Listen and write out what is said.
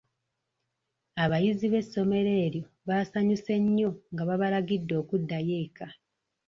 Abayizi b'essomero eryo baasanyuse nnyo nga babalagidde okuddayo eka.